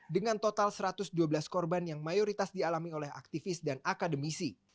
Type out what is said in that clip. dengan total satu ratus dua belas korban yang mayoritas dialami oleh aktivis dan akademisi